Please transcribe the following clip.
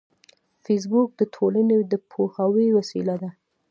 فېسبوک د ټولنې د پوهاوي وسیله ده